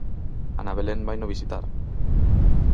Ana Belén vaino visitar...